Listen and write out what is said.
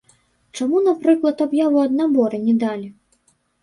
Чаму, напрыклад, аб'яву ад наборы не далі?